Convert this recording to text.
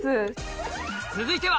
続いては